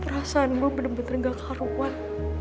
perasaan gue bener bener gak karuan